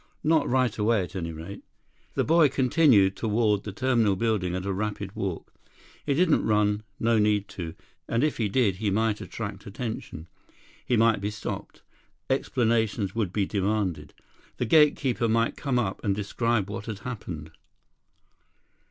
Not right away, at any rate. The boy continued toward the terminal building at a rapid walk. He didn't run, no need to, and if he did, he might attract attention. He might be stopped. Explanations would be demanded. The gate keeper might come up and describe what had happened.